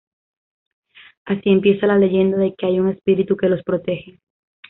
Así empieza la leyenda de que hay un espíritu que los protege.